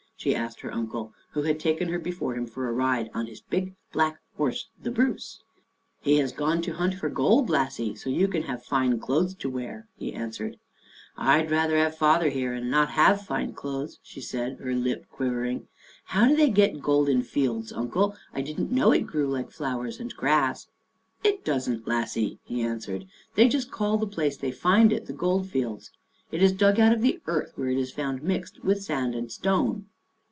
she asked her uncle, who had taken her before him for a ride on his big, black horse, " The Bruce." " He has gone to hunt for gold, lassie, so you can have fine clothes to wear," he answered. " I'd rather have father here and not have fine clothes," she said, her lip quivering. " How do they get gold in fields, Uncle? I didn't know it grew like flowers and grass." " It doesn't, lassie," he answered. " They just call the place they find it the Gold Fields. It is dug out of the earth, where it is found mixed with sand and stone."